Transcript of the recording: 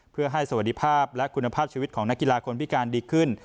เพื่อให้สวัสดิภาพและคุณภาพชีวิตของนักกีฬาคนพิการดีขึ้น